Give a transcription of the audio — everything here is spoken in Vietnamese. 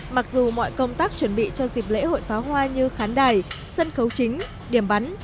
mặc dù mọi công tác chuẩn bị cho dịp lễ hội pháo hoa như khán đài sân khấu chính điểm bắn